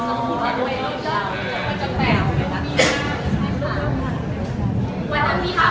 แล้วทุกครั้งที่เขา